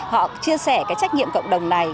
họ chia sẻ cái trách nhiệm cộng đồng này